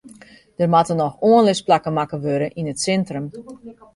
Der moatte noch oanlisplakken makke wurde yn it sintrum.